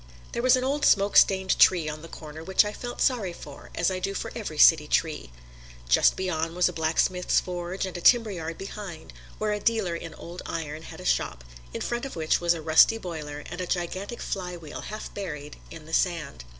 There was an old smoke stained tree on the corner which I felt sorry for, as I do for every city tree. Just beyond was a blacksmith's forge and a timber yard behind, where a dealer in old iron had a shop, in front of which was a rusty boiler and a gigantic flywheel half buried in the sand.